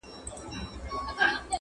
سره ورک یې کړل زامن وروڼه پلرونه!